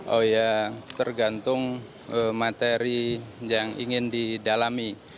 oh ya tergantung materi yang ingin didalami